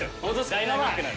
ダイナミックな。